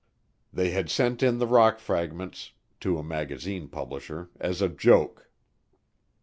They had sent in the rock fragments [to a magazine publisher] as a joke.